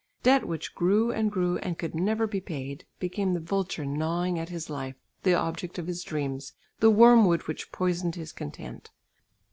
Debt which grew and grew and could never be paid, became the vulture gnawing at his life, the object of his dreams, the wormwood which poisoned his content.